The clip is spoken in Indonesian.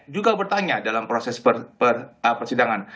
juga bertanya dalam proses persidangan